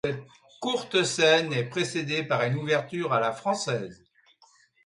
Cette courte scène est précédée par une ouverture à la française.